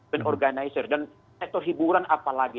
dan organizer dan sektor hiburan apalagi